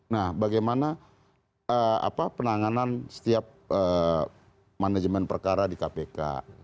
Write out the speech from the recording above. nah bagaimana penanganan setiap manajemen perkara di kpk